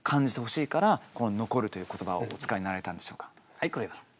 はい黒岩さん。